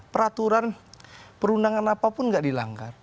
peraturan perundangan apapun tidak dilanggar